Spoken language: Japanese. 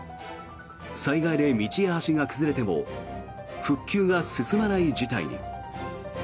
災害で道や橋が崩れても復旧が進まない事態に。